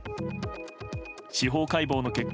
司法解剖の結果